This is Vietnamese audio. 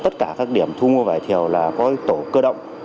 tất cả các điểm thu mua vải thiều là có tổ cơ động